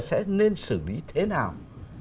sẽ nên xử lý thế nào